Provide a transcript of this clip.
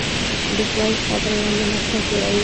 دښمن ستا پر وړاندې نقشه جوړوي